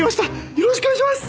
よろしくお願いします！